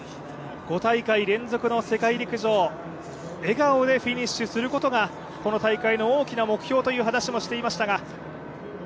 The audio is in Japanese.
５大会連続の世界陸上笑顔でフィニッシュすることがこの大会の大きな目標という話もしていましたが。